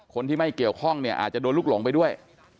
คนที่ไม่เกี่ยวข้องเนี่ยอาจจะโดนลูกหลงไปด้วย